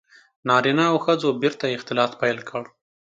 • نارینه او ښځو بېرته اختلاط پیل کړ.